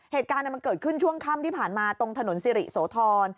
เหตุการณ์มันเกิดขึ้นช่วงค่ำที่ผ่านมาตรงถนนสิริโสธร